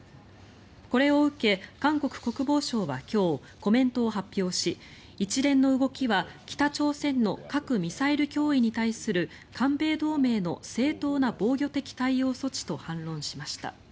これを受け、韓国国防省は今日コメントを発表し一連の動きは北朝鮮の核・ミサイル脅威に対する韓米同盟の正当な防御的対応措置と反論しました。